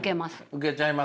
受けちゃいます。